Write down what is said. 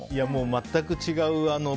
全く違う。